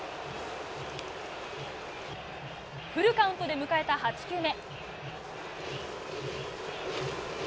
フルカウントで迎えた８球目。